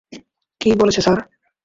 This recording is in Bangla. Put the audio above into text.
কি বলেছে স্যার?